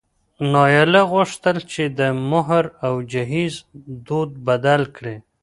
نایله غوښتل چې د مهر او جهیز دود بدل کړي.